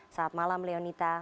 selamat malam leonita